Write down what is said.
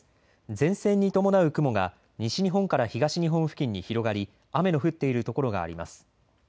前線に伴う雲が西日本から東日本付近に広がり雨の降っているところがあります。